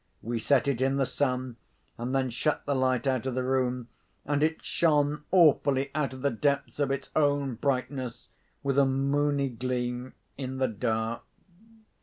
We set it in the sun, and then shut the light out of the room, and it shone awfully out of the depths of its own brightness, with a moony gleam, in the dark.